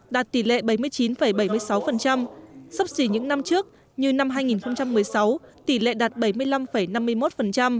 đạt tỷ lệ bảy mươi chín bảy mươi sáu sắp xỉ những năm trước như năm hai nghìn một mươi sáu tỷ lệ đạt bảy mươi năm năm mươi một